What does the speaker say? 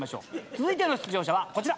続いての出場者はこちら。